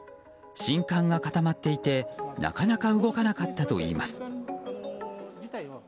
信管が固まっていてなかなか動かなかったといいます。